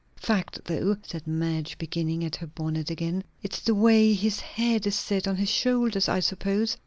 "Fact, though," said Madge, beginning at her bonnet again. "It's the way his head is set on his shoulders, I suppose.